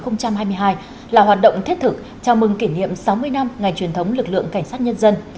năm hai nghìn hai mươi hai là hoạt động thiết thực chào mừng kỷ niệm sáu mươi năm ngày truyền thống lực lượng cảnh sát nhân dân